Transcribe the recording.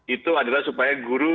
itu adalah supaya guru